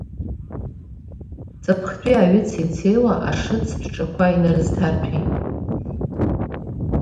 Ҵыԥхтәи аҩы цеицеиуа ашыцтә ҿаҳа қәа инарызҭарҭәеит.